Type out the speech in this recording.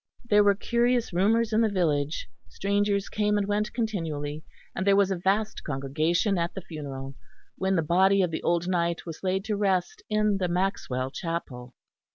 There were curious rumours in the village; strangers came and went continually, and there was a vast congregation at the funeral, when the body of the old knight was laid to rest in the Maxwell chapel.